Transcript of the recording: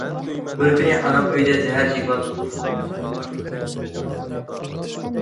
بىر كۈنى ئانام ئۆيدە زەھەر چېكىۋاتقانلىقىمنى كۆرۈپ، داڭ قېتىپ تۇرۇپلا قالدى.